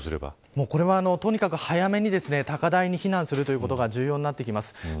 これはとにかく早めに高台に避難するということが重要になってきます。